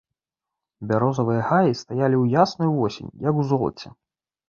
Бярозавыя гаі стаялі ў ясную восень, як у золаце.